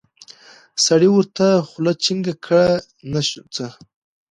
سړي ورته خوله جينګه کړه نو څه.